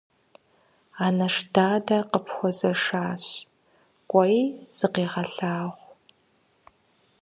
Анэш дадэ къыпхуэзэшащ, кӏуэи зыкъегъэлъагъу.